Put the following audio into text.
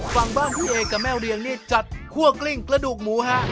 ฝั่งบ้านคู่เอกกับแม่เรียงนี่จัดคั่วกลิ้งกระดูกหมูฮะ